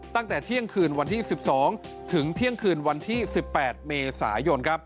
ตั้งแต่เที่ยงคืนวันที่๑๒ถึงเที่ยงคืนวันที่๑๘เมษายน